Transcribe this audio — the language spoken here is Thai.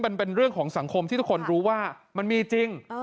มันเป็นเรื่องของสังคมที่ทุกคนรู้ว่ามันมีจริง